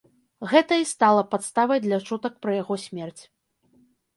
Гэта і стала падставай для чутак пра яго смерць.